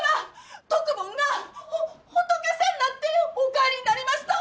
篤ぼんがほッ仏さんなってお帰りになりましたわ！